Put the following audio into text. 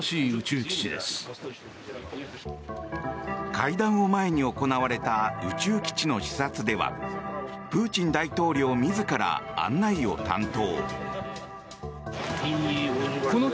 会談を前に行われた宇宙基地の視察ではプーチン大統領自ら案内を担当。